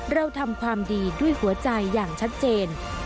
เราทำความดีด้วยหัวใจอย่างชัดเจน